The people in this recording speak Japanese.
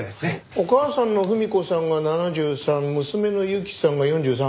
お母さんの文子さんが７３娘の雪さんが４３。